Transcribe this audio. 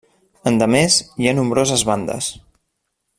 Endemés, hi ha nombroses bandes.